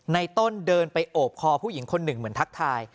ในต้นเดินไปโอบคอผู้หญิงคนหนึ่งเหมือนทักทาย